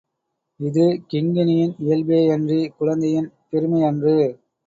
அது கிங்கிணியின் இயல்பேயன்றி, குழந்தையின் பெருமை அன்று.